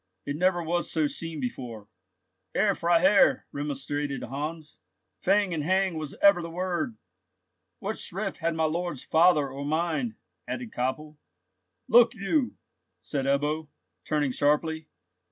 "It never was so seen before, Herr Freiherr," remonstrated Heinz; "fang and hang was ever the word." "What shrift had my lord's father, or mine?" added Koppel. "Look you!" said Ebbo, turning sharply.